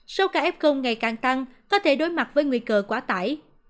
số ca f ngày càng tăng có thể đối mặt với nguy cơ quá tải